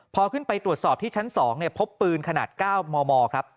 พอขึ้นไปตรวจสอบที่ชั้น๒พบปืนขนาด๙มมครับ